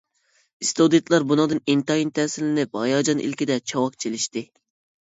ئىستۇدېنتلار بۇنىڭدىن ئىنتايىن تەسىرلىنىپ، ھاياجان ئىلكىدە چاۋاك چېلىشتى.